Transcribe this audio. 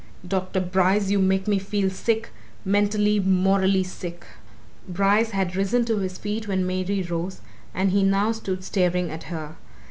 Dr. Bryce, you make me feel sick, mentally, morally sick." Bryce had risen to his feet when Mary rose, and he now stood staring at her.